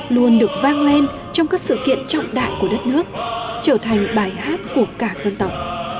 luôn được vang lên trong các sự kiện trọng đại của đất nước trở thành bài hát của cả dân tộc